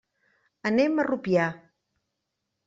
Anem a Rupià.